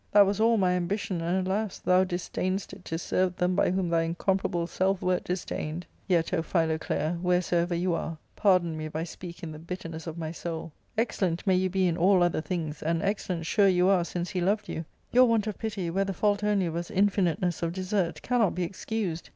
That was all my ambition, and, alas ! thou disdainedst it to serve them by whom thy incomparable self wert disdained. Yet, O Philoclea, wheresoever you are, pardon me if I speak in the bitterness of my soul, excellent may you be in all other things, and excellent sure you are since he loved you, your want of pity, where the fault only was infiniteness of desert, cannot be excused.